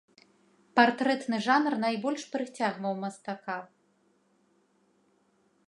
Партрэты жанр найбольш прыцягваў мастака.